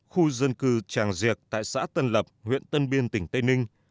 khu dân cư tràng diệc tại xã tân lập huyện tân biên tỉnh tây ninh